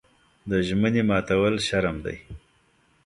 د ژمنې ماتول شرم دی.